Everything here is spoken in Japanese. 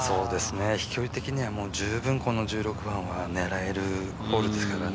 飛距離的には十分１６番は狙えるホールですからね。